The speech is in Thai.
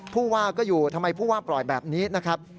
ผู้ว่าก็อยู่ทำไมผู้ว่าปล่อยแบบนี้นะครับ